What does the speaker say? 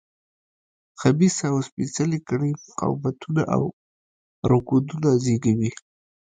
خبیثه او سپېڅلې کړۍ مقاومتونه او رکودونه زېږوي.